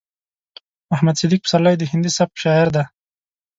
محمد صديق پسرلی د هندي سبک شاعر دی.